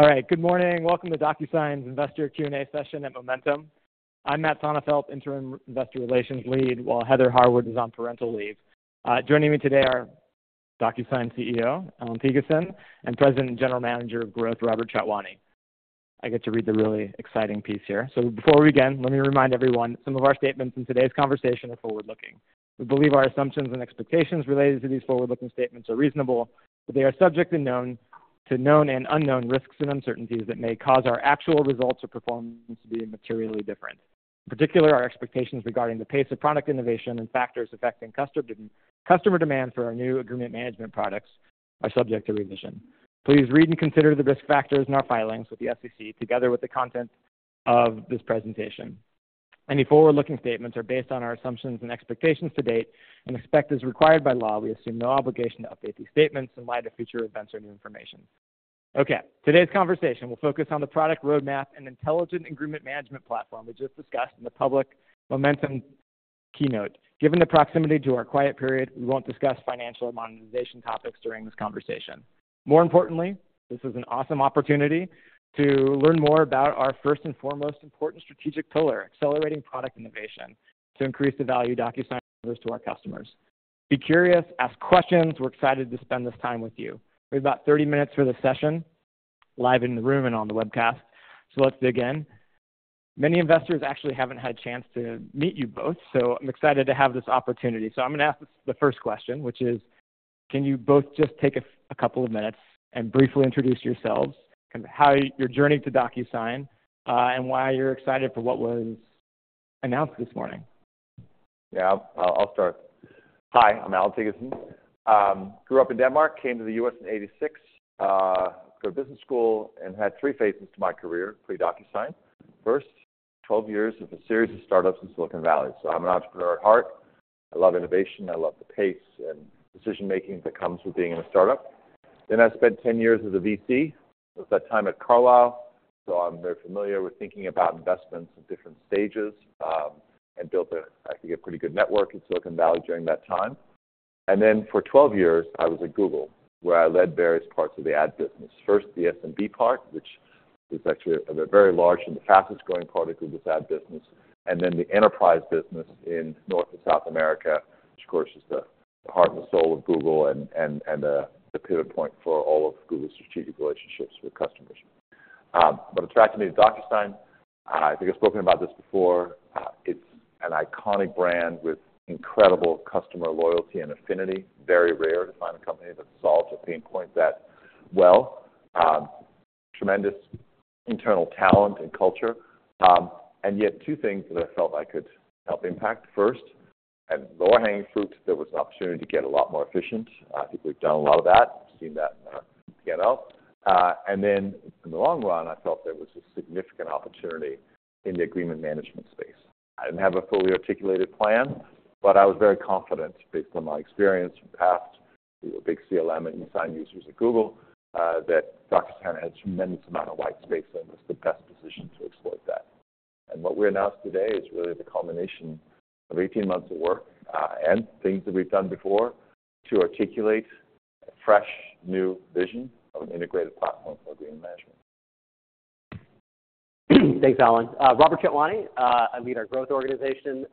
All right. Good morning. Welcome to DocuSign's investor Q&A Session at Momentum. I'm Matt Sonefeldt, interim investor relations lead, while Heather Harwood is on parental leave. Joining me today are DocuSign CEO Alan Thygesen and President and General Manager of Growth Robert Chatwani. I get to read the really exciting piece here. So before we begin, let me remind everyone some of our statements in today's conversation are forward-looking. We believe our assumptions and expectations related to these forward-looking statements are reasonable, but they are subject to known and unknown risks and uncertainties that may cause our actual results or performance to be materially different. In particular, our expectations regarding the pace of product innovation and factors affecting customer demand for our new agreement management products are subject to revision. Please read and consider the risk factors in our filings with the SEC together with the content of this presentation. Any forward-looking statements are based on our assumptions and expectations to date, and except as required by law, we assume no obligation to update these statements in light of future events or new information. Okay. Today's conversation will focus on the product roadmap and Intelligent Agreement Management platform we just discussed in the public Momentum keynote. Given the proximity to our quiet period, we won't discuss financial and monetization topics during this conversation. More importantly, this is an awesome opportunity to learn more about our first and foremost important strategic pillar accelerating product innovation to increase the value DocuSign offers to our customers. Be curious. Ask questions. We're excited to spend this time with you. We have about 30 minutes for the session live in the room and on the webcast. So let's begin. Many investors actually haven't had a chance to meet you both, so I'm excited to have this opportunity. I'm going to ask the first question, which is, can you both just take a couple of minutes and briefly introduce yourselves, kind of how your journey to DocuSign, and why you're excited for what was announced this morning? Yeah. I'll start. Hi. I'm Allan Thygesen. Grew up in Denmark, came to the U.S. in 1986, went to business school, and had three phases to my career pre-DocuSign. First, 12 years of a series of startups in Silicon Valley. So I'm an entrepreneur at heart. I love innovation. I love the pace and decision-making that comes with being in a startup. Then I spent 10 years as a VC. I spent time at Carlyle, so I'm very familiar with thinking about investments at different stages and built, I think, a pretty good network in Silicon Valley during that time. And then for 12 years, I was at Google, where I led various parts of the ad business. First, the SMB part, which is actually the very large and the fastest-growing part of Google's ad business, and then the enterprise business in North and South America, which, of course, is the heart and the soul of Google and the pivot point for all of Google's strategic relationships with customers. What attracted me to DocuSign, I think I've spoken about this before, it's an iconic brand with incredible customer loyalty and affinity. Very rare to find a company that solves a pain point that well. Tremendous internal talent and culture. And yet, two things that I felt I could help impact. First, low-hanging fruit. There was an opportunity to get a lot more efficient. I think we've done a lot of that. We've seen that in our P&L. And then in the long run, I felt there was a significant opportunity in the agreement management space. I didn't have a fully articulated plan, but I was very confident, based on my experience from the past, we were big CLM and eSign users at Google, that DocuSign had a tremendous amount of white space and was the best position to exploit that. And what we announced today is really the culmination of 18 months of work and things that we've done before to articulate a fresh, new vision of an integrated platform for agreement management. Thanks, Alan. Robert Chatwani. I lead our growth organization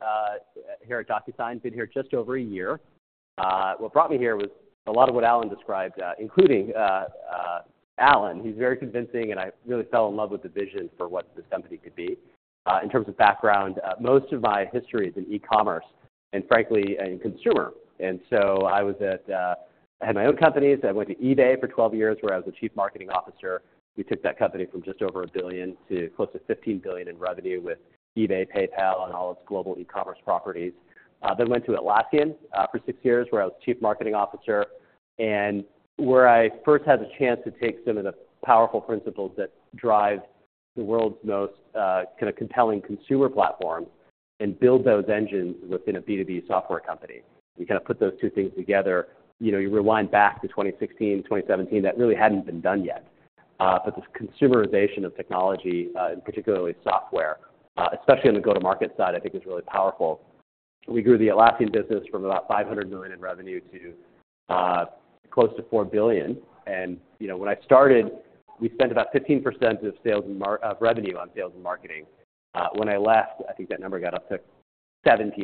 here at DocuSign. Been here just over a year. What brought me here was a lot of what Alan described, including Alan. He's very convincing, and I really fell in love with the vision for what this company could be. In terms of background, most of my history is in e-commerce and, frankly, in consumer. And so I had my own companies. I went to eBay for 12 years, where I was the chief marketing officer. We took that company from just over $1 billion to close to $15 billion in revenue with eBay, PayPal, and all its global e-commerce properties. Then went to Atlassian for six years, where I was chief marketing officer, and where I first had the chance to take some of the powerful principles that drive the world's most kind of compelling consumer platforms and build those engines within a B2B software company. We kind of put those two things together. You rewind back to 2016, 2017. That really hadn't been done yet. But this consumerization of technology, and particularly software, especially on the go-to-market side, I think is really powerful. We grew the Atlassian business from about $500 million in revenue to close to $4 billion. And when I started, we spent about 15% of revenue on sales and marketing. When I left, I think that number got up to 17%.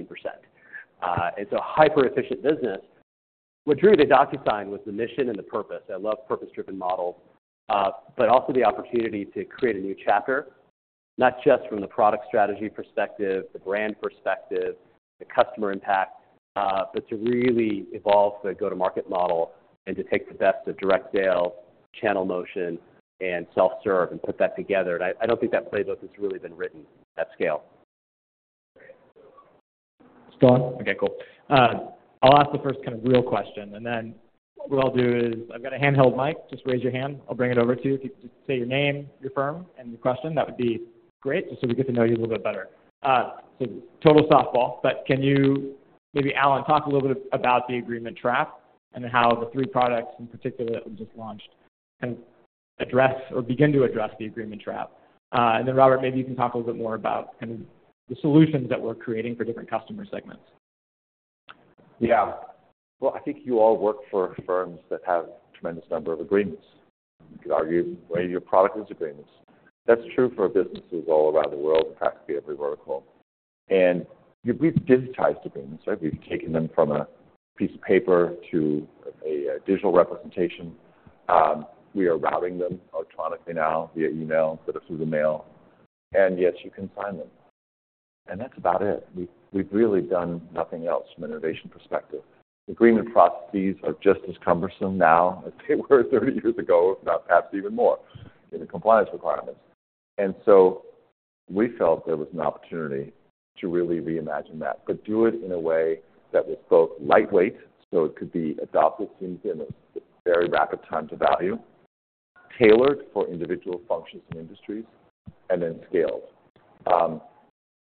And so a hyper-efficient business. What drew me to DocuSign was the mission and the purpose. I love purpose-driven models, but also the opportunity to create a new chapter, not just from the product strategy perspective, the brand perspective, the customer impact, but to really evolve the go-to-market model and to take the best of direct sales, channel motion, and self-serve, and put that together. And I don't think that playbook has really been written at scale. Start? Okay. Cool. I'll ask the first kind of real question. And then what we'll all do is I've got a handheld mic. Just raise your hand. I'll bring it over to you. If you could just say your name, your firm, and your question, that would be great, just so we get to know you a little bit better. So total softball. But can you, maybe Alan, talk a little bit about the Agreement Trap and then how the three products, in particular that we just launched, kind of address or begin to address the Agreement Trap? And then, Robert, maybe you can talk a little bit more about kind of the solutions that we're creating for different customer segments? Yeah. Well, I think you all work for firms that have a tremendous number of agreements. You could argue many of your product is agreements. That's true for businesses all around the world, in fact, to be every vertical. And we've digitized agreements, right? We've taken them from a piece of paper to a digital representation. We are routing them electronically now via email instead of through the mail. And yes, you can sign them. And that's about it. We've really done nothing else from an innovation perspective. Agreement processes are just as cumbersome now as they were 30 years ago, perhaps even more, given compliance requirements. We felt there was an opportunity to really reimagine that, but do it in a way that was both lightweight, so it could be adopted seemingly in a very rapid time to value, tailored for individual functions and industries, and then scaled.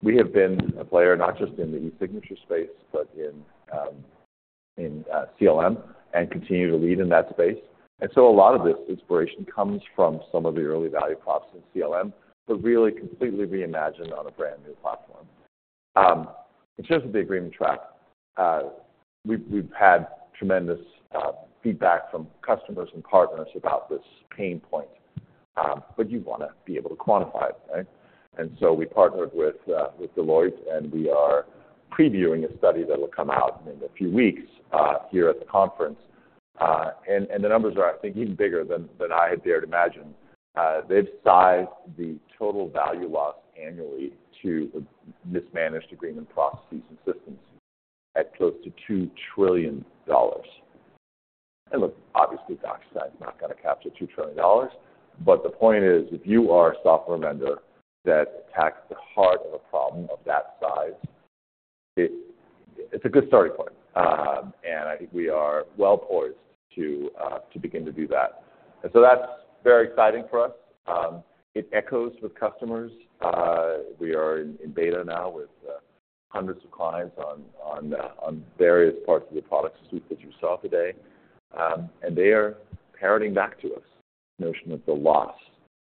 We have been a player not just in the e-signature space, but in CLM, and continue to lead in that space. A lot of this inspiration comes from some of the early value props in CLM, but really completely reimagined on a brand new platform. In terms of the agreement trap, we've had tremendous feedback from customers and partners about this pain point. You want to be able to quantify it, right? We partnered with Deloitte, and we are previewing a study that will come out in a few weeks here at the conference. The numbers are, I think, even bigger than I had dared imagine. They've sized the total value loss annually to mismanaged agreement processes and systems at close to $2 trillion. And look, obviously, DocuSign's not going to capture $2 trillion. But the point is, if you are a software vendor that attacks the heart of a problem of that size, it's a good starting point. And I think we are well poised to begin to do that. And so that's very exciting for us. It echoes with customers. We are in beta now with hundreds of clients on various parts of the product suite that you saw today. And they are parroting back to us this notion of the loss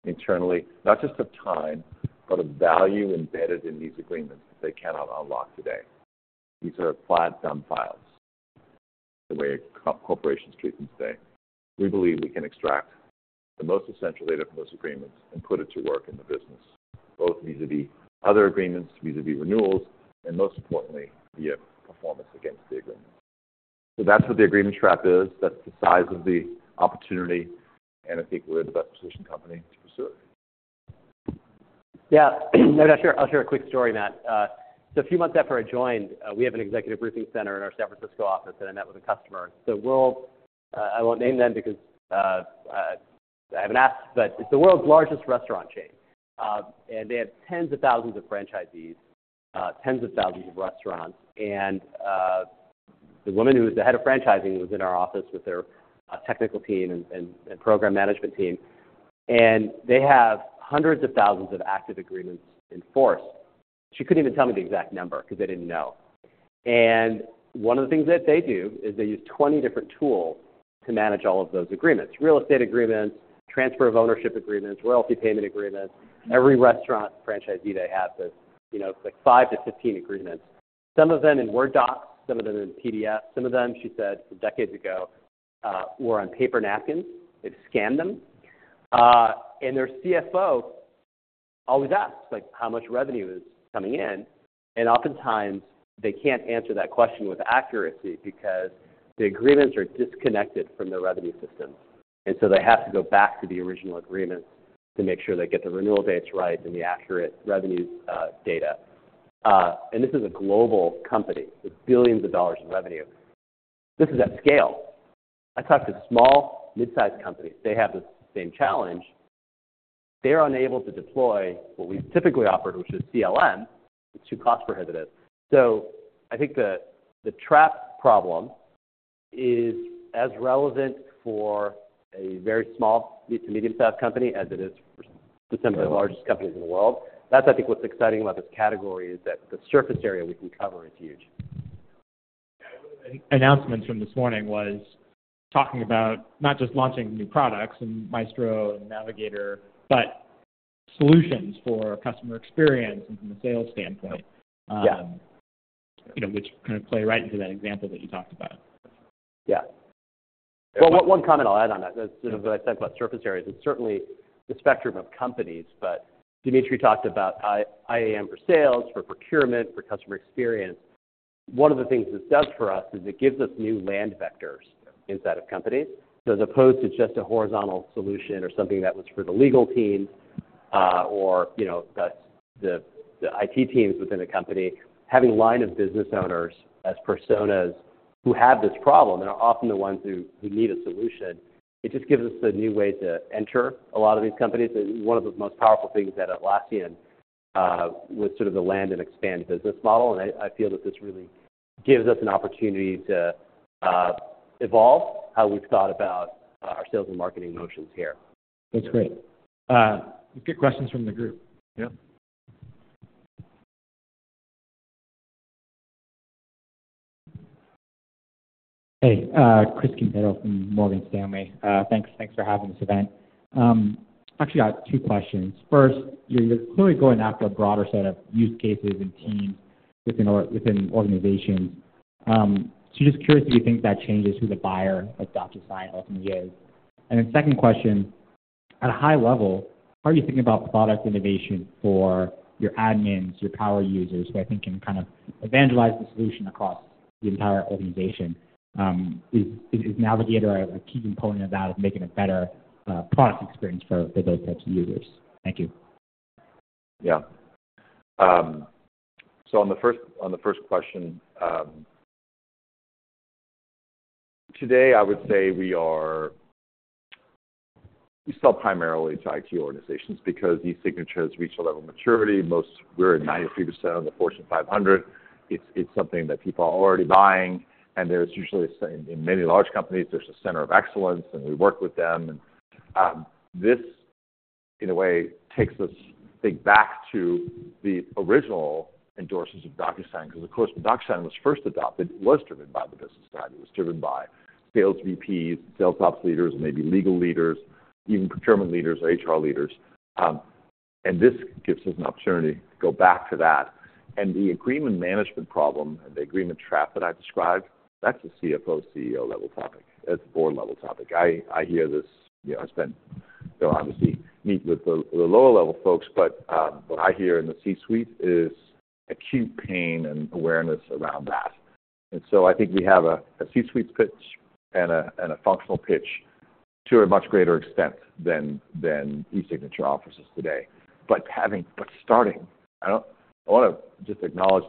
internally, not just of time, but of value embedded in these agreements that they cannot unlock today. These are flat, dumb files, the way corporations treat them today. We believe we can extract the most essential data from those agreements and put it to work in the business, both vis-à-vis other agreements, vis-à-vis renewals, and most importantly, via performance against the agreements. So that's what the agreement trap is. That's the size of the opportunity. And I think we're the best-positioned company to pursue it. Yeah. No, I'll share a quick story, Matt. So a few months after I joined, we have an executive briefing center in our San Francisco office, and I met with a customer. I won't name them because I haven't asked, but it's the world's largest restaurant chain. They have tens of thousands of franchisees, tens of thousands of restaurants. The woman who was the head of franchising was in our office with their technical team and program management team. They have hundreds of thousands of active agreements in force. She couldn't even tell me the exact number because they didn't know. One of the things that they do is they use 20 different tools to manage all of those agreements: real estate agreements, transfer of ownership agreements, royalty payment agreements. Every restaurant franchisee they have has 5-15 agreements. Some of them in Word docs, some of them in PDF. Some of them, she said decades ago, were on paper napkins. They've scanned them. Their CFO always asks how much revenue is coming in. Oftentimes, they can't answer that question with accuracy because the agreements are disconnected from their revenue systems. So they have to go back to the original agreements to make sure they get the renewal dates right and the accurate revenue data. This is a global company with $ billions in revenue. This is at scale. I talk to small, midsize companies. They have the same challenge. They are unable to deploy what we typically offer, which is CLM. It's too cost-prohibitive. So I think the trap problem is as relevant for a very small to medium-sized company as it is for some of the largest companies in the world. That's, I think, what's exciting about this category is that the surface area we can cover is huge. Announcements from this morning was talking about not just launching new products and Maestro and Navigator, but solutions for customer experience and from a sales standpoint, which kind of play right into that example that you talked about. Yeah. Well, one comment I'll add on that. That's sort of what I said about surface areas. It's certainly the spectrum of companies. But Dmitri talked about IAM for sales, for procurement, for customer experience. One of the things this does for us is it gives us new land vectors inside of companies. So as opposed to just a horizontal solution or something that was for the legal teams or the IT teams within a company, having line of business owners as personas who have this problem and are often the ones who need a solution, it just gives us a new way to enter a lot of these companies. And one of the most powerful things at Atlassian was sort of the land and expand business model. And I feel that this really gives us an opportunity to evolve how we've thought about our sales and marketing motions here. That's great. Let's get questions from the group. Yep. Hey. Chris Quintero from Morgan Stanley. Thanks for having this event. Actually, I got two questions. First, you're clearly going after a broader set of use cases and teams within organizations. So just curious if you think that changes who the buyer of DocuSign ultimately is. And then second question, at a high level, how are you thinking about product innovation for your admins, your power users, who I think can kind of evangelize the solution across the entire organization? Is Navigator a key component of that, of making a better product experience for those types of users? Thank you. Yeah. So on the first question, today, I would say we sell primarily to IT organizations because e-signature has reached a level of maturity. We're at 93% on the Fortune 500. It's something that people are already buying. And in many large companies, there's a center of excellence, and we work with them. And this, in a way, takes us, I think, back to the original endorsements of DocuSign because, of course, when DocuSign was first adopted, it was driven by the business side. It was driven by sales VPs, sales ops leaders, and maybe legal leaders, even procurement leaders or HR leaders. And this gives us an opportunity to go back to that. And the agreement management problem and the agreement trap that I described, that's a CFO/CEO-level topic. That's a board-level topic. I hear this. I spend, obviously, meeting with the lower-level folks. But what I hear in the C-suite is acute pain and awareness around that. And so I think we have a C-suite's pitch and a functional pitch to a much greater extent than e-signature offers us today. But starting, I want to just acknowledge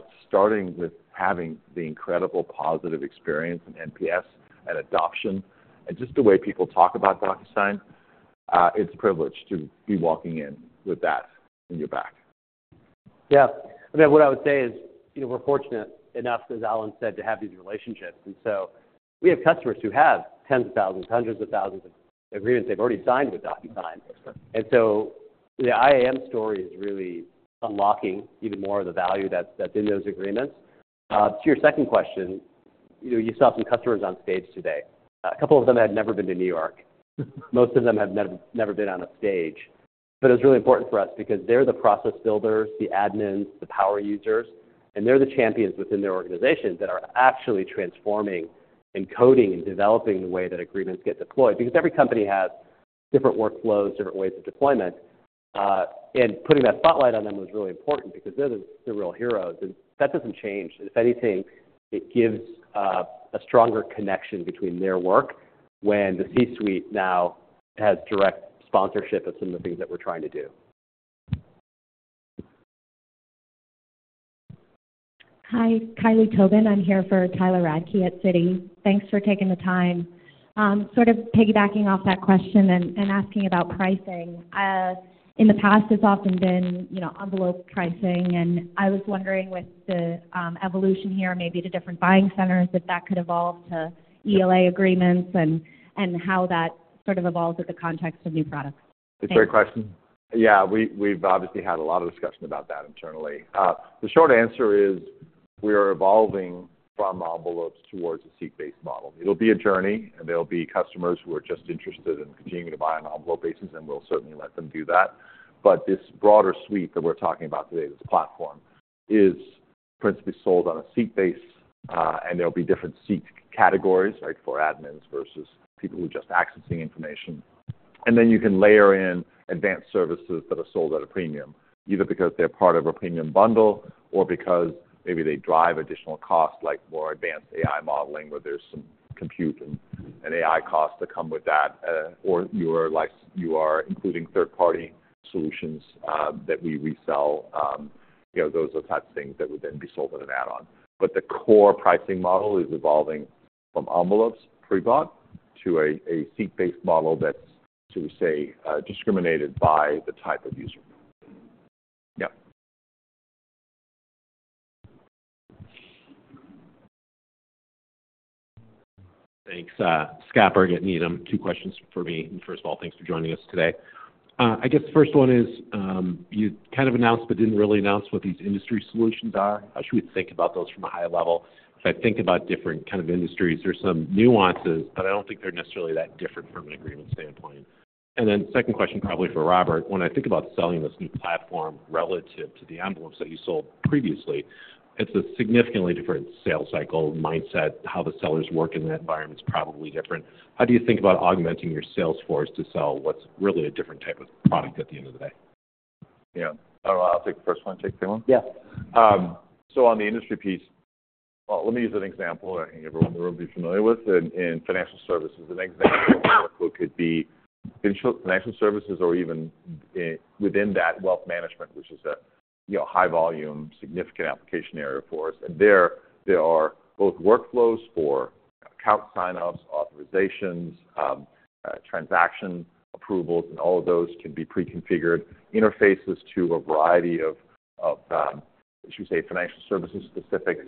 with having the incredible positive experience and NPS and adoption and just the way people talk about DocuSign, it's a privilege to be walking in with that on your back. Yeah. I mean, what I would say is we're fortunate enough, as Alan said, to have these relationships. And so we have customers who have tens of thousands, hundreds of thousands of agreements they've already signed with DocuSign. And so the IAM story is really unlocking even more of the value that's in those agreements. To your second question, you saw some customers on stage today. A couple of them had never been to New York. Most of them have never been on a stage. But it was really important for us because they're the process builders, the admins, the power users. And they're the champions within their organization that are actually transforming and coding and developing the way that agreements get deployed because every company has different workflows, different ways of deployment. And putting that spotlight on them was really important because they're the real heroes. That doesn't change. If anything, it gives a stronger connection between their work when the C-suite now has direct sponsorship of some of the things that we're trying to do. Hi. Kylie Tobin. I'm here for Tyler Radke at Citi. Thanks for taking the time. Sort of piggybacking off that question and asking about pricing, in the past, it's often been envelope pricing. And I was wondering with the evolution here maybe to different buying centers if that could evolve to ELA agreements and how that sort of evolves with the context of new products. It's a great question. Yeah. We've obviously had a lot of discussion about that internally. The short answer is we are evolving from envelopes towards a seat-based model. It'll be a journey, and there'll be customers who are just interested in continuing to buy on an envelope basis. And we'll certainly let them do that. But this broader suite that we're talking about today, this platform, is principally sold on a seat-based basis. And there'll be different seat categories, right, for admins versus people who are just accessing information. And then you can layer in advanced services that are sold at a premium, either because they're part of a premium bundle or because maybe they drive additional costs like more advanced AI modeling where there's some compute and AI costs that come with that, or you are including third-party solutions that we resell. Those are the types of things that would then be sold in an add-on. But the core pricing model is evolving from envelopes pre-bought to a seat-based model that's, should we say, discriminated by the type of user. Yep. Thanks. Scott Berg, Needham, two questions for me. And first of all, thanks for joining us today. I guess the first one is you kind of announced but didn't really announce what these industry solutions are. How should we think about those from a high level? If I think about different kind of industries, there's some nuances, but I don't think they're necessarily that different from an agreement standpoint. And then second question, probably for Robert. When I think about selling this new platform relative to the envelopes that you sold previously, it's a significantly different sales cycle, mindset, how the sellers work in that environment's probably different. How do you think about augmenting your sales force to sell what's really a different type of product at the end of the day? Yeah. I'll take the first one. Take the second one. Yeah. So on the industry piece, well, let me use an example that I think everyone in the room would be familiar with. In financial services, an example of what could be financial services or even within that, wealth management, which is a high-volume, significant application area for us. And there are both workflows for account signups, authorizations, transaction approvals, and all of those can be preconfigured interfaces to a variety of, should we say, financial services-specific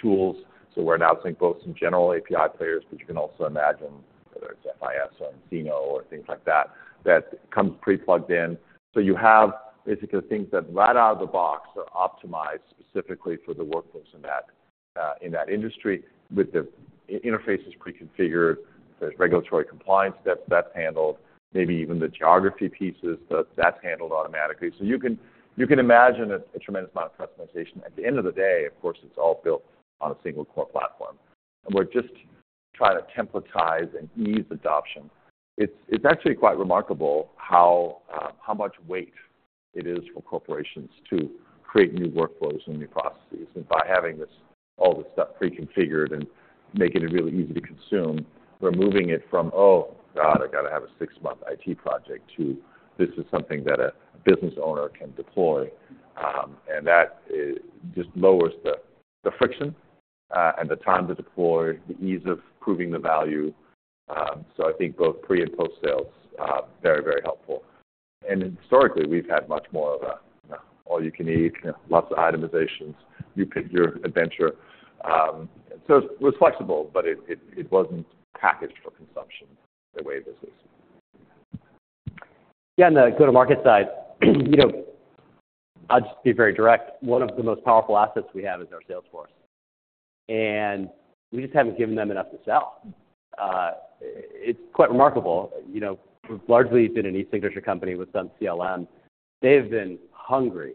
tools. So we're announcing both some general API players, but you can also imagine, whether it's FIS or nCino or things like that, that comes preplugged in. So you have basically things that right out of the box are optimized specifically for the workforce in that industry with the interfaces preconfigured. If there's regulatory compliance, that's handled. Maybe even the geography pieces, that's handled automatically. So you can imagine a tremendous amount of customization. At the end of the day, of course, it's all built on a single core platform. We're just trying to templatize and ease adoption. It's actually quite remarkable how much wait it is for corporations to create new workflows and new processes. By having all this stuff preconfigured and making it really easy to consume, we're moving it from, "Oh, God, I got to have a six-month IT project," to, "This is something that a business owner can deploy." That just lowers the friction and the time to deploy, the ease of proving the value. I think both pre and post-sales, very, very helpful. Historically, we've had much more of an all-you-can-eat, lots of itemizations, you pick your adventure. It was flexible, but it wasn't packaged for consumption the way this is. Yeah. The go-to-market side, I'll just be very direct. One of the most powerful assets we have is our sales force. We just haven't given them enough to sell. It's quite remarkable. We've largely been an e-signature company with some CLM. They have been hungry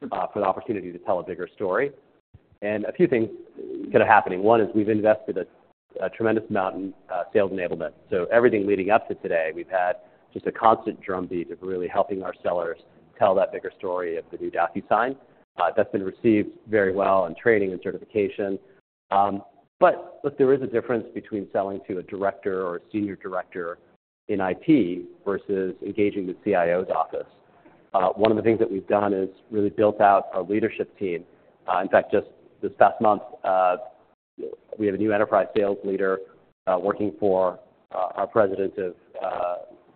for the opportunity to tell a bigger story. A few things that are happening. One is we've invested a tremendous amount in sales enablement. So everything leading up to today, we've had just a constant drumbeat of really helping our sellers tell that bigger story of the new DocuSign. That's been received very well in training and certification. But look, there is a difference between selling to a director or a senior director in IT versus engaging the CIO's office. One of the things that we've done is really built out our leadership team. In fact, just this past month, we have a new enterprise sales leader working for our President of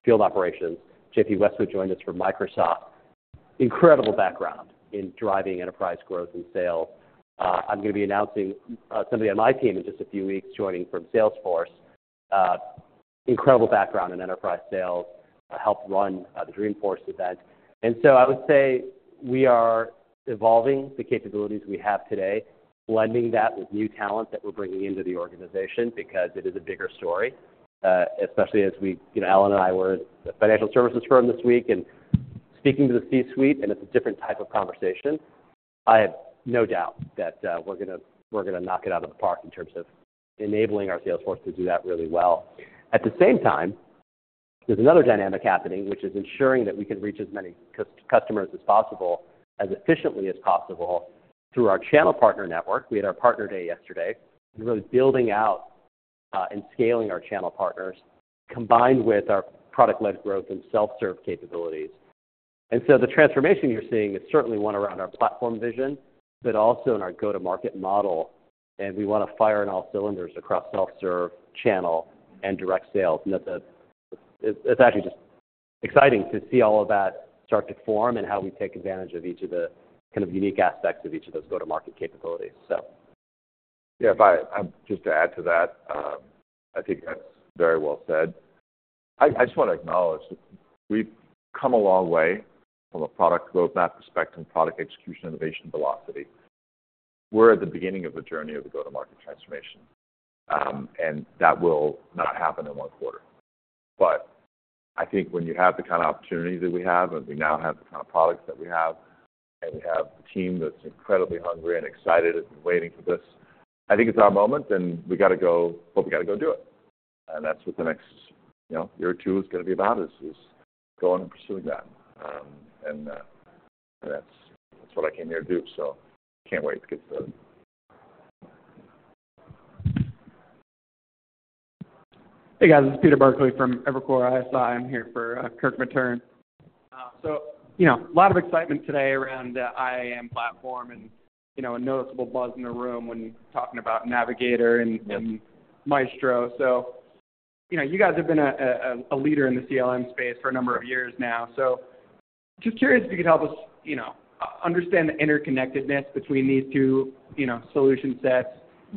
Field Operations. J.P. Westwood joined us from Microsoft. Incredible background in driving enterprise growth and sales. I'm going to be announcing somebody on my team in just a few weeks joining from Salesforce. Incredible background in enterprise sales. Helped run the Dreamforce event. And so I would say we are evolving the capabilities we have today, blending that with new talent that we're bringing into the organization because it is a bigger story, especially as Alan and I were at the financial services firm this week and speaking to the C-suite. And it's a different type of conversation. I have no doubt that we're going to knock it out of the park in terms of enabling our sales force to do that really well. At the same time, there's another dynamic happening, which is ensuring that we can reach as many customers as possible as efficiently as possible through our channel partner network. We had our partner day yesterday and really building out and scaling our channel partners combined with our product-led growth and self-serve capabilities. And so the transformation you're seeing is certainly one around our platform vision but also in our go-to-market model. And we want to fire on all cylinders across self-serve, channel, and direct sales. And it's actually just exciting to see all of that start to form and how we take advantage of each of the kind of unique aspects of each of those go-to-market capabilities, so. Yeah. Just to add to that, I think that's very well said. I just want to acknowledge we've come a long way from a product roadmap perspective and product execution innovation velocity. We're at the beginning of the journey of the go-to-market transformation. That will not happen in one quarter. But I think when you have the kind of opportunity that we have and we now have the kind of products that we have and we have a team that's incredibly hungry and excited and waiting for this, I think it's our moment. We got to go, but we got to go do it. That's what the next year or two is going to be about, is going and pursuing that. That's what I came here to do. So can't wait to get started. Hey, guys. It's Peter Burkly from Evercore ISI. I'm here for Kirk Materne. So a lot of excitement today around the IAM platform and a noticeable buzz in the room when talking about Navigator and Maestro. So you guys have been a leader in the CLM space for a number of years now. So just curious if you could help us understand the interconnectedness between these two solution sets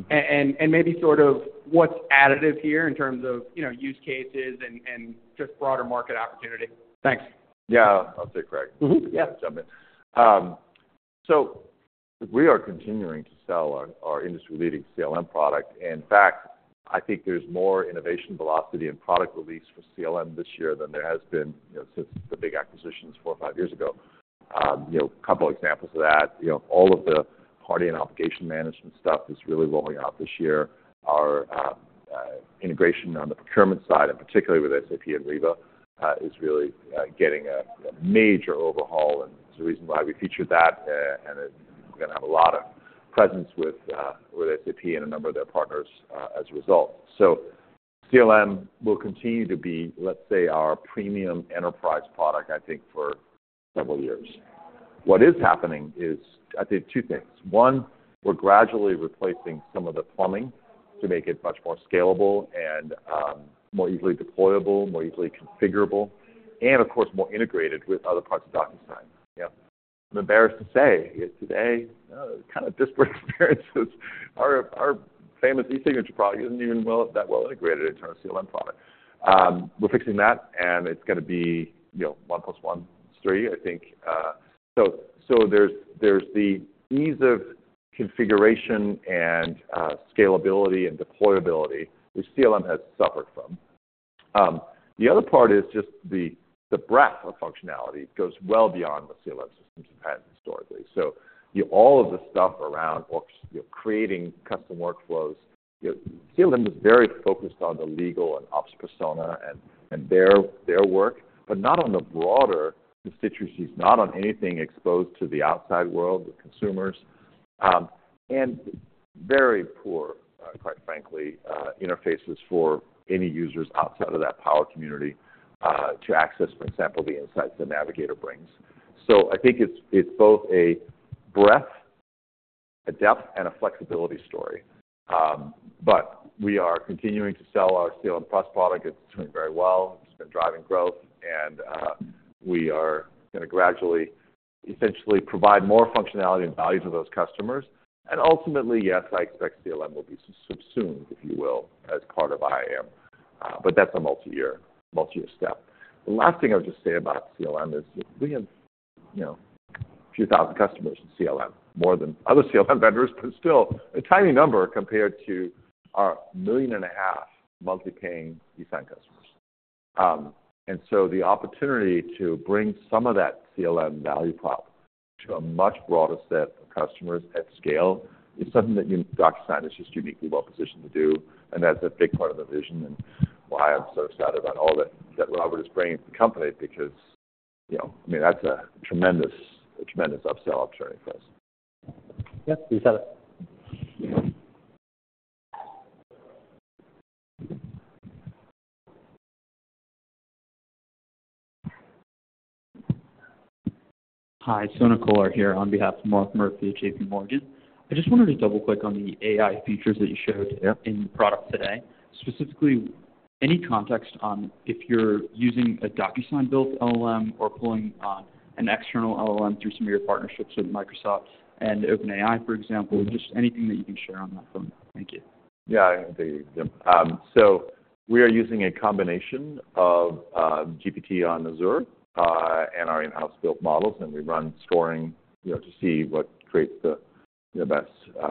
and maybe sort of what's additive here in terms of use cases and just broader market opportunity. Thanks. Yeah. I'll take Craig. Mm-hmm. Yeah. Jump in. So we are continuing to sell our industry-leading CLM product. And in fact, I think there's more innovation velocity and product release for CLM this year than there has been since the big acquisitions 4 or 5 years ago. A couple of examples of that, all of the party and obligation management stuff is really rolling out this year. Our integration on the procurement side, and particularly with SAP and Ariba, is really getting a major overhaul. And there's a reason why we featured that. And we're going to have a lot of presence with SAP and a number of their partners as a result. So CLM will continue to be, let's say, our premium enterprise product, I think, for several years. What is happening is, I think, two things. 1, we're gradually replacing some of the plumbing to make it much more scalable and more easily deployable, more easily configurable, and of course, more integrated with other parts of DocuSign. Yeah. I'm embarrassed to say today, kind of disparate experiences. Our famous e-signature product isn't even that well integrated into our CLM product. We're fixing that. And it's going to be 1 plus 1 is 3, I think. So there's the ease of configuration and scalability and deployability which CLM has suffered from. The other part is just the breadth of functionality goes well beyond what CLM systems have had historically. So all of the stuff around creating custom workflows, CLM is very focused on the legal and ops persona and their work but not on the broader constituencies, not on anything exposed to the outside world, the consumers, and very poor, quite frankly, interfaces for any users outside of that power community to access, for example, the insights that Navigator brings. I think it's both a breadth, a depth, and a flexibility story. But we are continuing to sell our CLM Plus product. It's doing very well. It's been driving growth. We are going to gradually, essentially, provide more functionality and value to those customers. Ultimately, yes, I expect CLM will be subsumed, if you will, as part of IAM. But that's a multiyear step. The last thing I would just say about CLM is we have a few thousand customers in CLM, more than other CLM vendors, but still a tiny number compared to our 1.5 million monthly-paying eSign customers. And so the opportunity to bring some of that CLM value prop to a much broader set of customers at scale is something that DocuSign is just uniquely well-positioned to do. And that's a big part of the vision and why I'm so excited about all that Robert is bringing to the company because, I mean, that's a tremendous upsell opportunity for us. Yep. You said it. Hi. Sonak Kolar here on behalf of Mark Murphy at J.P. Morgan. I just wanted to double-click on the AI features that you showed in the product today, specifically any context on if you're using a DocuSign-built LLM or pulling on an external LLM through some of your partnerships with Microsoft and OpenAI, for example, just anything that you can share on that front. Thank you. Yeah. I can take an example. So we are using a combination of GPT on Azure and our in-house-built models. And we run scoring to see what creates the best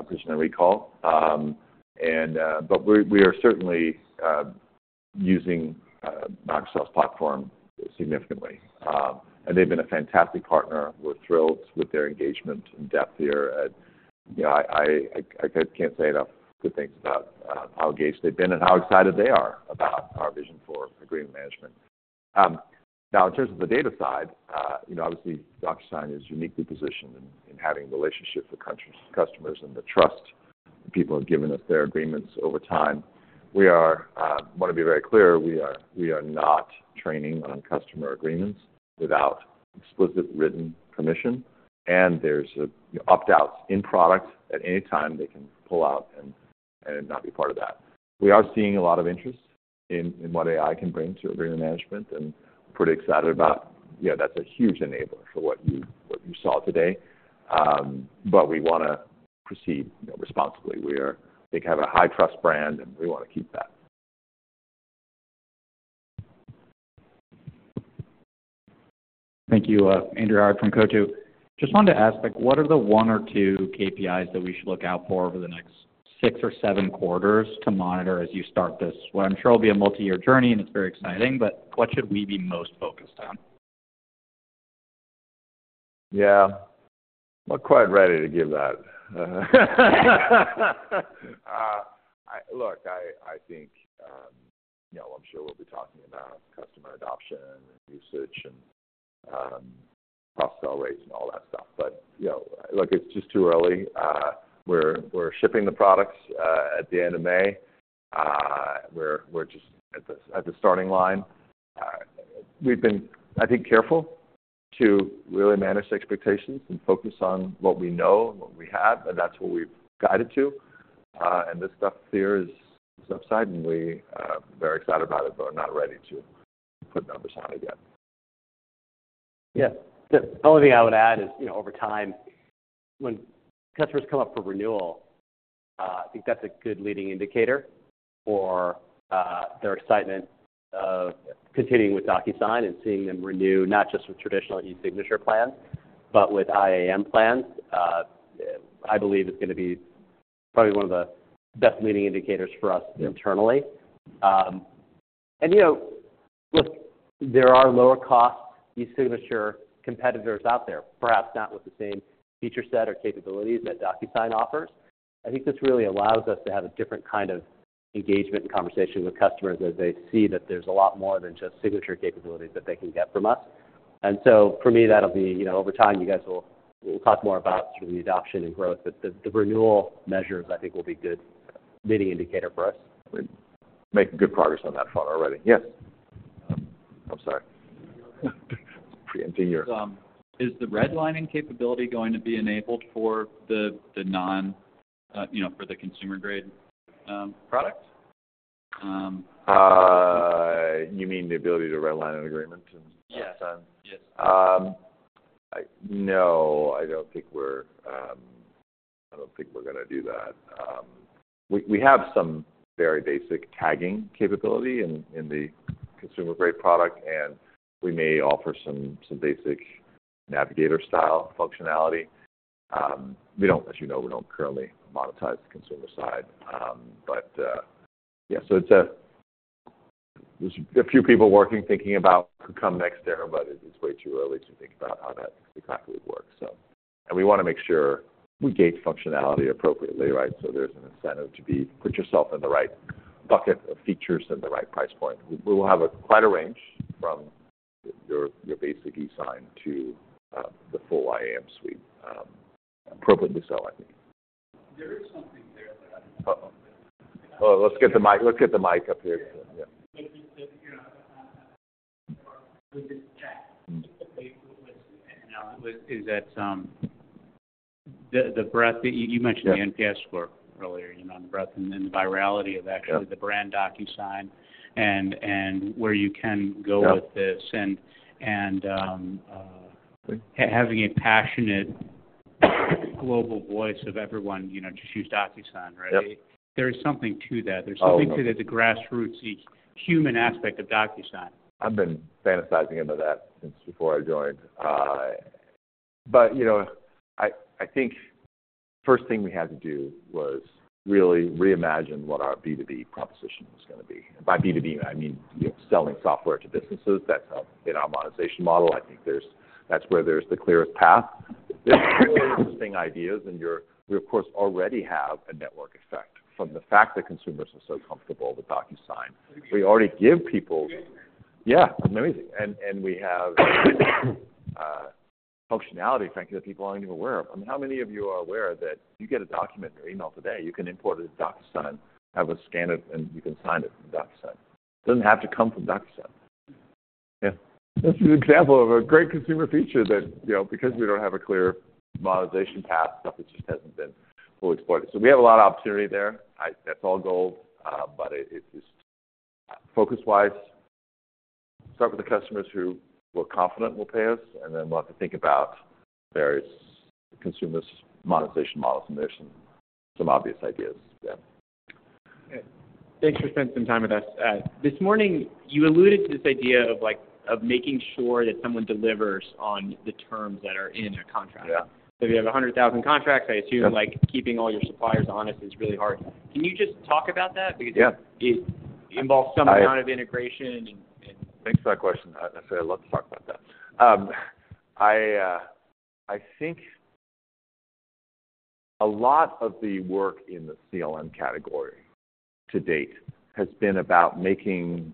vision and recall. But we are certainly using Microsoft's platform significantly. And they've been a fantastic partner. We're thrilled with their engagement and depth here. And I can't say enough good things about how engaged they've been and how excited they are about our vision for agreement management. Now, in terms of the data side, obviously, DocuSign is uniquely positioned in having relationships with customers and the trust people have given us their agreements over time. I want to be very clear. We are not training on customer agreements without explicit written permission. And there's opt-outs in product at any time. They can pull out and not be part of that. We are seeing a lot of interest in what AI can bring to agreement management. We're pretty excited about that. That's a huge enabler for what you saw today. But we want to proceed responsibly. We have a high-trust brand. We want to keep that. Thank you, Andrew Howard from Coatue. Just wanted to ask, what are the one or two KPIs that we should look out for over the next six or seven quarters to monitor as you start this? I'm sure it'll be a multiyear journey. It's very exciting. What should we be most focused on? Yeah. I'm not quite ready to give that. Look, I think I'm sure we'll be talking about customer adoption and usage and cross-sell rates and all that stuff. But look, it's just too early. We're shipping the products at the end of May. We're just at the starting line. We've been, I think, careful to really manage expectations and focus on what we know and what we have. And that's what we've guided to. And this stuff here is upside. And we're very excited about it but are not ready to put numbers on it yet. Yeah. The only thing I would add is over time, when customers come up for renewal, I think that's a good leading indicator for their excitement of continuing with DocuSign and seeing them renew not just with traditional e-signature plans but with IAM plans, I believe, is going to be probably one of the best leading indicators for us internally. And look, there are lower-cost e-signature competitors out there, perhaps not with the same feature set or capabilities that DocuSign offers. I think this really allows us to have a different kind of engagement and conversation with customers as they see that there's a lot more than just signature capabilities that they can get from us. And so for me, that'll be over time, you guys will talk more about sort of the adoption and growth. But the renewal measures, I think, will be a good leading indicator for us. We're making good progress on that front already. Yes. I'm sorry. It's pretty ingenious. Is the redlining capability going to be enabled for the consumer-grade product? You mean the ability to redline an agreement in DocuSign? Yes. Yes. No. I don't think we're going to do that. We have some very basic tagging capability in the consumer-grade product. We may offer some basic Navigator-style functionality. As you know, we don't currently monetize the consumer side. But yeah. So there's a few people working thinking about who come next there. But it's way too early to think about how that exactly would work, so. We want to make sure we gauge functionality appropriately, right, so there's an incentive to put yourself in the right bucket of features at the right price point. We will have quite a range from your basic eSign to the full IAM suite, appropriately so, I think. There is something there that I don't know. Oh. Let's get the mic up here. Yeah. With this chat, typically, is that the breadth that you mentioned, the NPS score earlier, the breadth and the virality of actually the brand DocuSign and where you can go with this and having a passionate global voice of everyone, "Just use DocuSign," right? There is something to that. There's something to the grassroots human aspect of DocuSign. I've been fantasizing about that since before I joined. But I think the first thing we had to do was really reimagine what our B2B proposition was going to be. And by B2B, I mean selling software to businesses. That's in our monetization model. I think that's where there's the clearest path. There's really interesting ideas. And we, of course, already have a network effect from the fact that consumers are so comfortable with DocuSign. We already give people yeah. I mean, amazing. And we have functionality, frankly, that people aren't even aware of. I mean, how many of you are aware that you get a document in your email today? You can import it into DocuSign, have it scanned, and you can sign it in DocuSign. It doesn't have to come from DocuSign. Yeah. This is an example of a great consumer feature that because we don't have a clear monetization path, stuff just hasn't been fully exploited. So we have a lot of opportunity there. That's all gold. But focus-wise, start with the customers who we're confident will pay us. And then we'll have to think about various consumers' monetization models. There's some obvious ideas there. Thanks for spending some time with us. This morning, you alluded to this idea of making sure that someone delivers on the terms that are in a contract. So if you have 100,000 contracts, I assume keeping all your suppliers honest is really hard. Can you just talk about that because it involves some amount of integration and. Thanks for that question. I'd say I'd love to talk about that. I think a lot of the work in the CLM category to date has been about making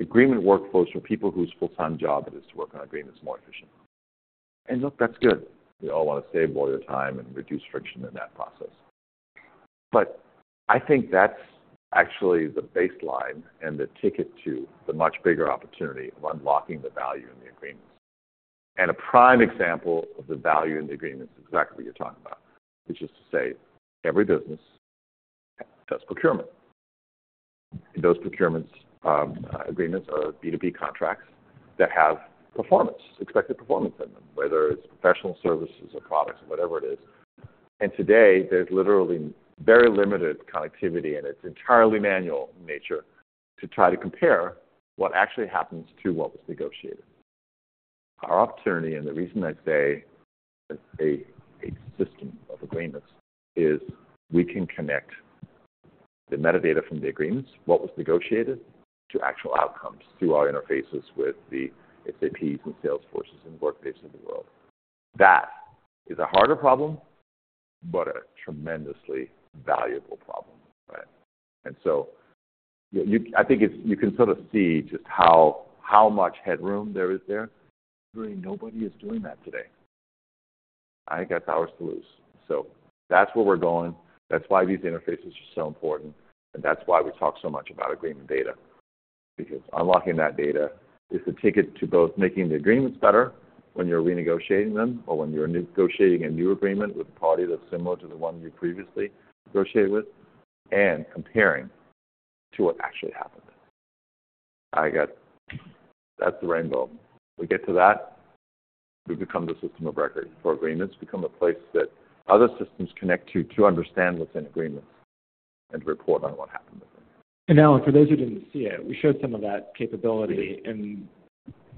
agreement workflows for people whose full-time job it is to work on agreements more efficient. And look, that's good. We all want to save lawyer time and reduce friction in that process. But I think that's actually the baseline and the ticket to the much bigger opportunity of unlocking the value in the agreements. And a prime example of the value in the agreements, exactly what you're talking about, which is to say every business does procurement. Those procurements agreements are B2B contracts that have expected performance in them, whether it's professional services or products or whatever it is. And today, there's literally very limited connectivity. It's entirely manual in nature to try to compare what actually happens to what was negotiated. Our opportunity, and the reason I say a system of agreements, is we can connect the metadata from the agreements, what was negotiated, to actual outcomes through our interfaces with the SAPs and Salesforces and Workdays of the world. That is a harder problem but a tremendously valuable problem, right? So I think you can sort of see just how much headroom there is there. Literally, nobody is doing that today. I think that's ours to lose. So that's where we're going. That's why these interfaces are so important. That's why we talk so much about agreement data because unlocking that data is the ticket to both making the agreements better when you're renegotiating them or when you're negotiating a new agreement with a party that's similar to the one you previously negotiated with and comparing to what actually happened. That's the rainbow. We get to that. We become the system of record for agreements. We become a place that other systems connect to to understand what's in agreements and to report on what happened with them. Allan, for those who didn't see it, we showed some of that capability in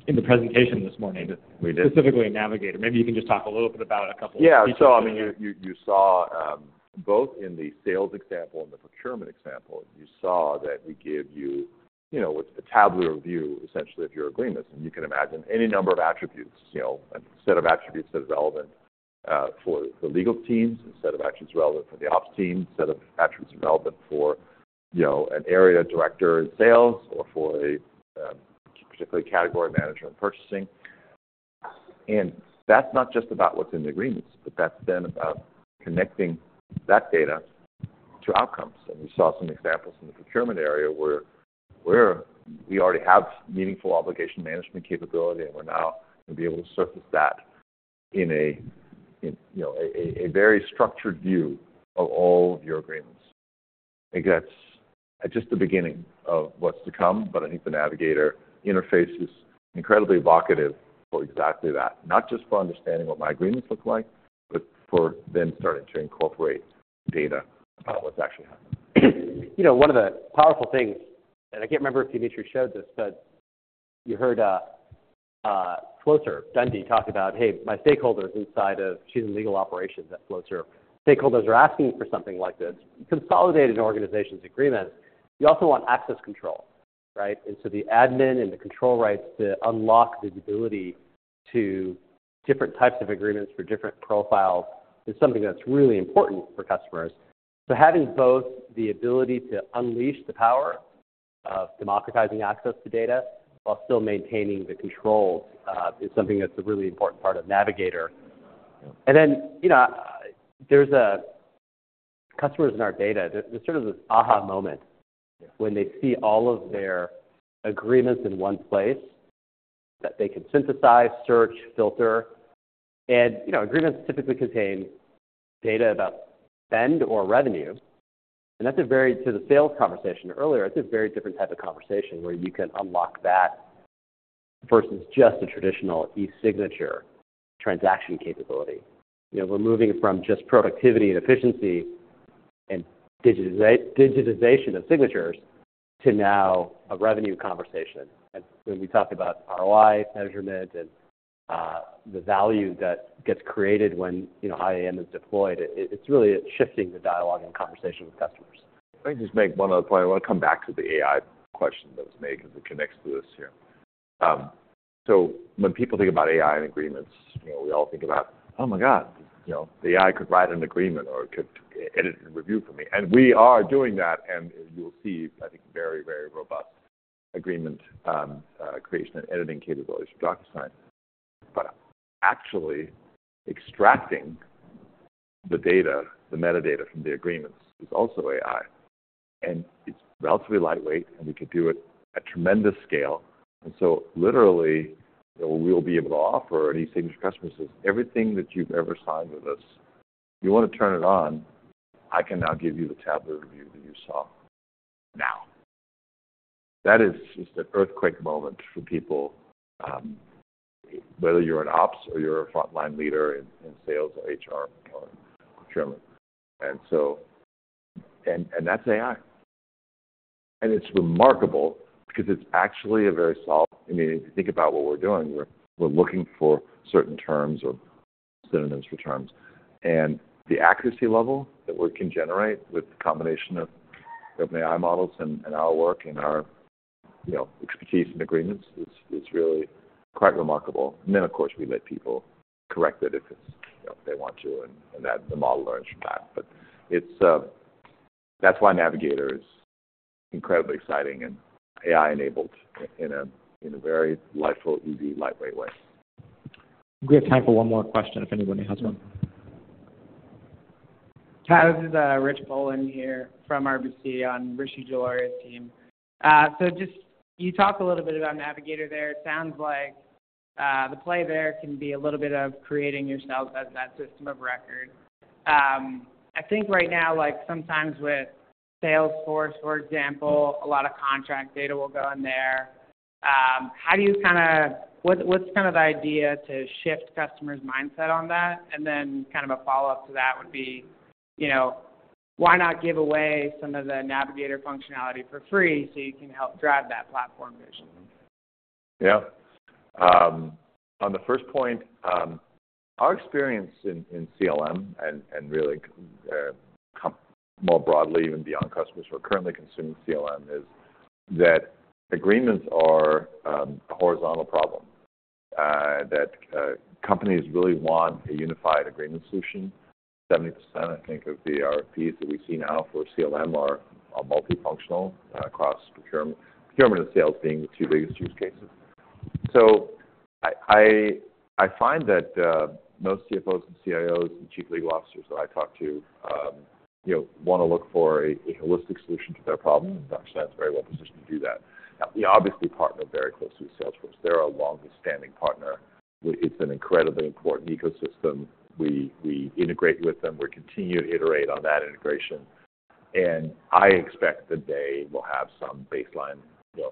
the presentation this morning, specifically in Navigator. Maybe you can just talk a little bit about a couple of features. Yeah. So I mean, you saw both in the sales example and the procurement example, you saw that we give you what's the tabular view, essentially, of your agreements. You can imagine any number of attributes, a set of attributes that are relevant for the legal teams, a set of attributes relevant for the ops teams, a set of attributes relevant for an area director in sales or for a particular category manager in purchasing. That's not just about what's in the agreements. But that's then about connecting that data to outcomes. We saw some examples in the procurement area where we already have meaningful obligation management capability. We're now going to be able to surface that in a very structured view of all of your agreements. I think that's just the beginning of what's to come. But I think the Navigator interface is incredibly evocative for exactly that, not just for understanding what my agreements look like but for then starting to incorporate data about what's actually happening. One of the powerful things, and I can't remember if Dmitri showed this. But you heard Flowserve, Dundi talk about, "Hey, my stakeholders inside of" she's in legal operations at Flowserve. "Stakeholders are asking for something like this. Consolidated organizations' agreements, you also want access control, right? And so the admin and the control rights to unlock visibility to different types of agreements for different profiles is something that's really important for customers. So having both the ability to unleash the power of democratizing access to data while still maintaining the controls is something that's a really important part of Navigator. And then there's customers in our data. There's sort of this aha moment when they see all of their agreements in one place that they can synthesize, search, filter. And agreements typically contain data about spend or revenue. To the sales conversation earlier, it's a very different type of conversation where you can unlock that versus just a traditional e-signature transaction capability. We're moving from just productivity and efficiency and digitization of signatures to now a revenue conversation. When we talk about ROI measurement and the value that gets created when IAM is deployed, it's really shifting the dialogue and conversation with customers. Let me just make one other point. I want to come back to the AI question that was made because it connects to this here. So when people think about AI and agreements, we all think about, "Oh my God. The AI could write an agreement or it could edit and review for me." And we are doing that. And you'll see, I think, very, very robust agreement creation and editing capabilities from DocuSign. But actually, extracting the data, the metadata from the agreements is also AI. And it's relatively lightweight. And we could do it at tremendous scale. And so literally, what we'll be able to offer an e-signature customer is, "Everything that you've ever signed with us, you want to turn it on. I can now give you the tabular view that you saw now." That is just an earthquake moment for people, whether you're in ops or you're a frontline leader in sales or HR or procurement. And that's AI. And it's remarkable because it's actually a very solid. I mean, if you think about what we're doing, we're looking for certain terms or synonyms for terms. And the accuracy level that we can generate with the combination of OpenAI models and our work and our expertise in agreements is really quite remarkable. And then, of course, we let people correct it if they want to and that the model learns from that. But that's why Navigator is incredibly exciting and AI-enabled in a very lifelike, easy, lightweight way. We have time for one more question if anybody has one. Hi. This is Rich Poland here from RBC on Rishi Jaluria's team. So you talked a little bit about Navigator there. It sounds like the play there can be a little bit of creating yourselves as that system of record. I think right now, sometimes with Salesforce, for example, a lot of contract data will go in there. How do you kind of what's kind of the idea to shift customers' mindset on that? And then kind of a follow-up to that would be, why not give away some of the Navigator functionality for free so you can help drive that platform vision? Yeah. On the first point, our experience in CLM and really more broadly, even beyond customers who are currently consuming CLM, is that agreements are a horizontal problem, that companies really want a unified agreement solution. 70%, I think, of the RFPs that we see now for CLM are multifunctional across procurement and sales, being the two biggest use cases. So I find that most CFOs and CIOs and chief legal officers that I talk to want to look for a holistic solution to their problem. And DocuSign is very well positioned to do that. Now, we obviously partner very closely with Salesforce. They're our longest-standing partner. It's an incredibly important ecosystem. We integrate with them. We continue to iterate on that integration. And I expect that they will have some baseline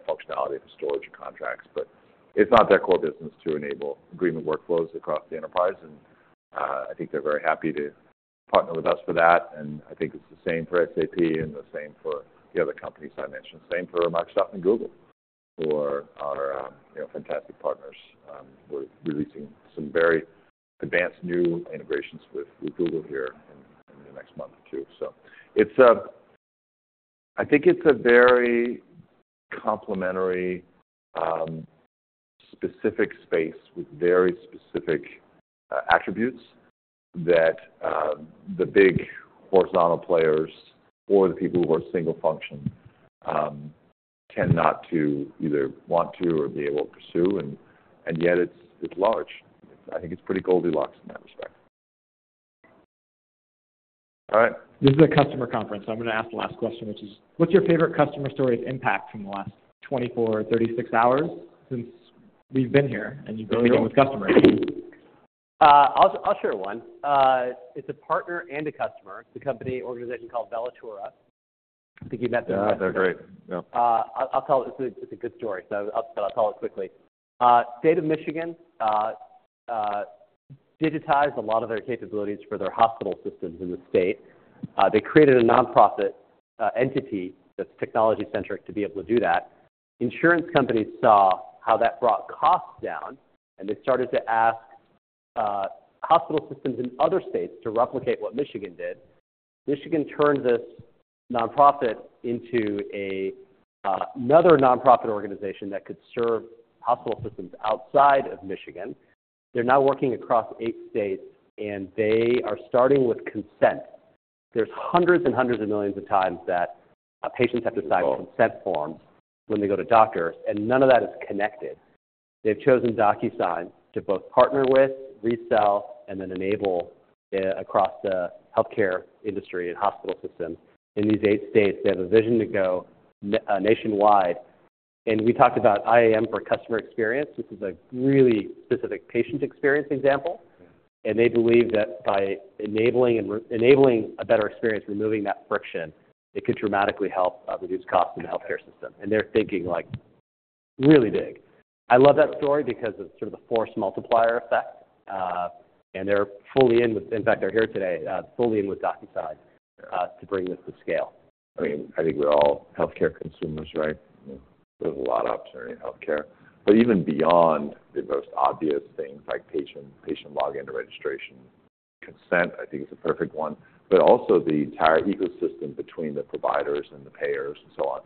functionality for storage and contracts. But it's not their core business to enable agreement workflows across the enterprise. I think they're very happy to partner with us for that. I think it's the same for SAP and the same for the other companies I mentioned, same for Microsoft and Google who are our fantastic partners. We're releasing some very advanced new integrations with Google here in the next month or two. I think it's a very complementary specific space with very specific attributes that the big horizontal players or the people who are single-function tend not to either want to or be able to pursue. Yet, it's large. I think it's pretty Goldilocks in that respect. All right. This is a customer conference. So I'm going to ask the last question, which is, what's your favorite customer story's impact from the last 24 or 36 hours since we've been here and you've been dealing with customers? I'll share one. It's a partner and a customer, the company organization called Velatura. I think you've met them before. Yeah. They're great. Yeah. It's a good story. So I'll tell it quickly. State of Michigan digitized a lot of their capabilities for their hospital systems in the state. They created a nonprofit entity that's technology-centric to be able to do that. Insurance companies saw how that brought costs down. And they started to ask hospital systems in other states to replicate what Michigan did. Michigan turned this nonprofit into another nonprofit organization that could serve hospital systems outside of Michigan. They're now working across 8 states. And they are starting with consent. There's hundreds and hundreds of millions of times that patients have to sign consent forms when they go to doctors. And none of that is connected. They've chosen DocuSign to both partner with, resell, and then enable across the healthcare industry and hospital systems in these 8 states. They have a vision to go nationwide. We talked about IAM for customer experience. This is a really specific patient experience example. They believe that by enabling a better experience, removing that friction, it could dramatically help reduce costs in the healthcare system. They're thinking really big. I love that story because of sort of the force multiplier effect. They're fully in with, in fact, they're here today, fully in with DocuSign to bring this to scale. I mean, I think we're all healthcare consumers, right? There's a lot of opportunity in healthcare. But even beyond the most obvious things like patient login to registration, consent, I think is a perfect one. But also the entire ecosystem between the providers and the payers and so on,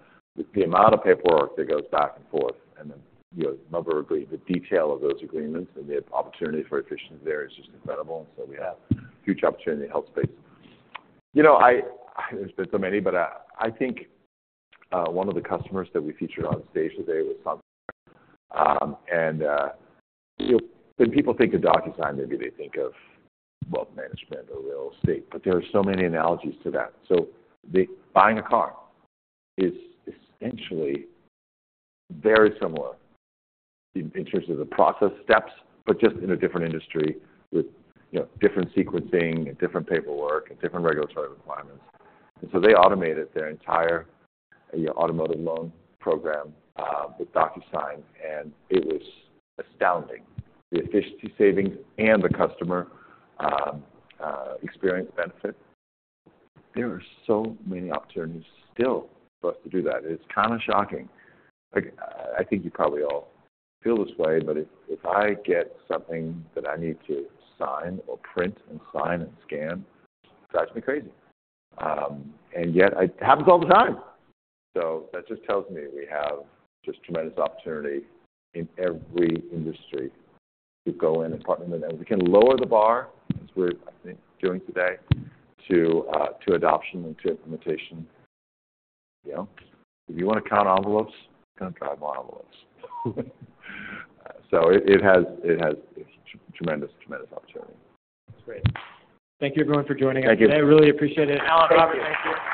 the amount of paperwork that goes back and forth and then the detail of those agreements and the opportunity for efficiency there is just incredible. And so we have a huge opportunity in the health space. There's been so many. But I think one of the customers that we featured on stage today was Santander. And when people think of DocuSign, maybe they think of wealth management or real estate. But there are so many analogies to that. So buying a car is essentially very similar in terms of the process steps but just in a different industry with different sequencing and different paperwork and different regulatory requirements. And so they automated their entire automotive loan program with DocuSign. And it was astounding, the efficiency savings and the customer experience benefit. There are so many opportunities still for us to do that. It's kind of shocking. I think you probably all feel this way. But if I get something that I need to sign or print and sign and scan, it drives me crazy. And yet, it happens all the time. So that just tells me we have just tremendous opportunity in every industry to go in and partner with them. We can lower the bar, as we're, I think, doing today, to adoption and to implementation. If you want to count envelopes, you're going to drive more envelopes. So it has tremendous, tremendous opportunity. That's great. Thank you, everyone, for joining us today. I really appreciate it. Alan, Robert, thank you.